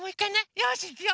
よしいくよ。